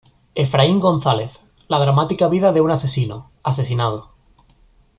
Efraín González: La Dramática Vida de un Asesino-- Asesinado.